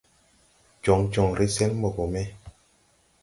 Jɔŋ jɔŋre sɛn mbɔ gɔ me.